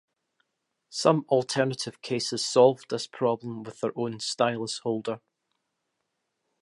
Some alternative cases solved this problem with their own stylus holder.